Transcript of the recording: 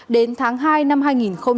đến tháng hai năm hai nghìn hai mươi hai